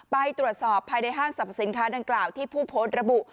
ไปตรวจสอบภายในห้างสรรพสินค้าดังกล่าวที่ผู้โพสต์ระบุ